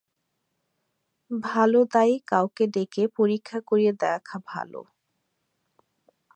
ভালো দাই কাউকে ডেকে পরীক্ষা করিয়ে দেখা ভালো।